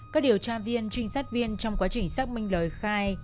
các điều tra viên trinh sát viên trong quá trình xác minh lời khai